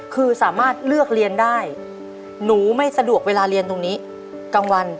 คือสามารถเลือกเรียนได้หนูไม่สะดวกเวลาเรียนตรงนี้กลางวัน